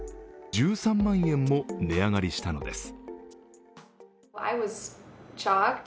１３万円も値上がりしたのです。